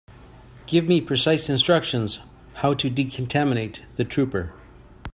Give me precise instructions how to decontaminate the trooper.